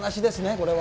これは。